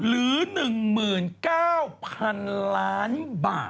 ๑เมื่อน๙พันล้านบาท